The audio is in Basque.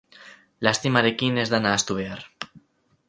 Lastimarekin ez da nahastu behar.